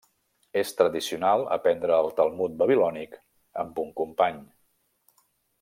És tradicional aprendre el Talmud babilònic amb un company.